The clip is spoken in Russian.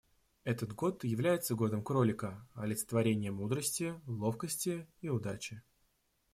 Этот год является годом Кролика — олицетворения мудрости, ловкости и удачи.